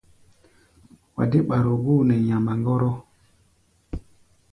Wa dé ɓaro-góo nɛ nyamagɔrɔ.